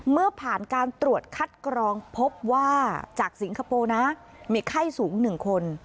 เมื่อผ่านการตรวจคัดกรองพบว่าจากสิงคโปร์นะมีไข้สูง๑คน